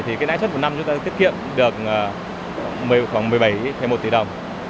thì cái nãi suất của năm chúng ta sẽ tiết kiệm được khoảng một mươi bảy một tỷ đồng